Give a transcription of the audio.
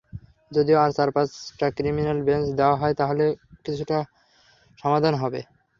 যদি আরও চার-পাঁচটা criminal bench দেওয়া হয়, তাহলে সমস্যা কিছুটা সমাধান হবে।